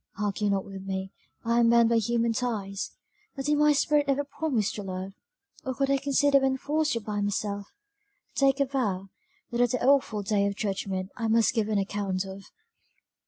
Argue not with me, I am bound by human ties; but did my spirit ever promise to love, or could I consider when forced to bind myself to take a vow, that at the awful day of judgment I must give an account of.